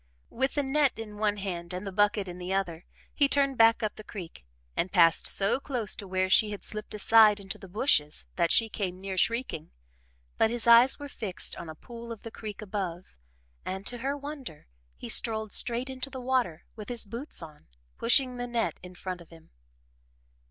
With the net in one hand and the bucket in the other, he turned back up the creek and passed so close to where she had slipped aside into the bushes that she came near shrieking, but his eyes were fixed on a pool of the creek above and, to her wonder, he strolled straight into the water, with his boots on, pushing the net in front of him.